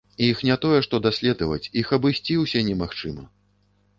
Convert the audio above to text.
Іх не тое, што даследаваць, іх абысці ўсе немагчыма!